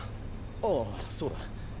ああそうだ。